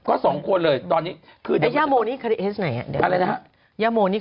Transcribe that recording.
ก็สองคนตอนนี้